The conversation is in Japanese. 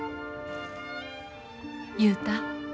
雄太。